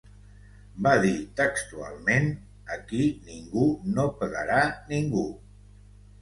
Va dir, textualment: Aquí ningú no pegarà ningú.